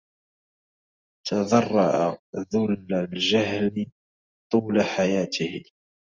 تَذَرَّعَ ذُلَّ الجَهلِ طولَ حَياتِهِ